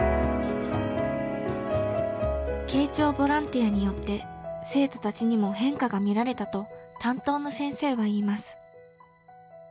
傾聴ボランティアによって生徒たちにも変化が見られたと担当の先生は言います。